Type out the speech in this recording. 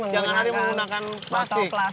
jangan lagi menggunakan batang plastik